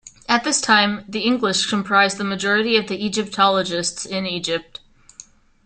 At this time, the English comprised the majority of Egyptologists in Egypt.